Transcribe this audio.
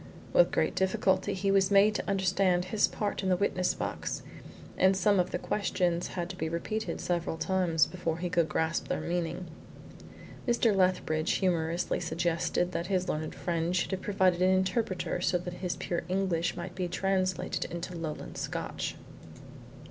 With great difficulty he was made to understand his part in the witness box, and some of the questions had to be repeated several times before he could grasp their meaning. Mr. Lethbridge humorously suggested that his learned friend should have provided an interpreter so that his pure English might be translated into Lowland Scotch.